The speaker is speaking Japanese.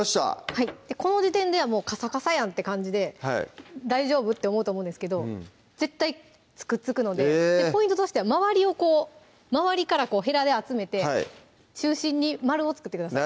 はいこの時点ではもうカサカサやんって感じで大丈夫？って思うと思うんですけど絶対くっつくのでポイントとしては周りをこう周りからこうヘラで集めて中心に円を作ってください